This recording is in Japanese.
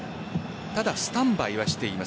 ただ、スタンバイはしています。